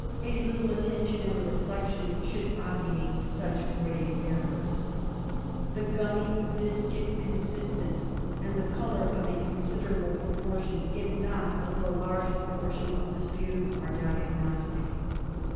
A little attention and reflection should obviate such grave errors. The M 2 l8o DIAGNOSIS OF gummy viscid consistence, and the colour of a consider able proportion, if not of the large proportion of the sputum, are diagnostic.